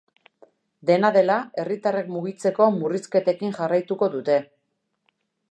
Dena dela, herritarrek mugitzeko murrizketekin jarraituko dute.